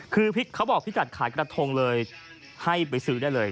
คือเขาบอกพี่กัดขายกระทงเลยให้ไปซื้อได้เลย